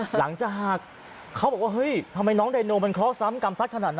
หลังจากหากเขาบอกว่าเฮ้ยทำไมน้องไดโนมันเคราะหกรรมซัดขนาดนั้น